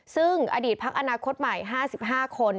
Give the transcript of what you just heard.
ซึ่งอดีตพักอนาคตใหม่๕๕คน